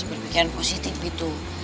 berpikiran positif gitu